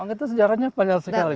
itu sejarahnya panjang sekali